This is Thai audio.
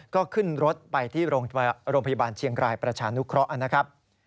ก็ขึ้นรถไปที่โรงพยาบาลเชียงรายประชานุเคราะห์นะครับ